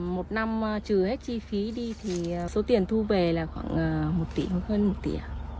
một năm trừ hết chi phí đi thì số tiền thu về là khoảng một tỷ hoặc hơn một tỷ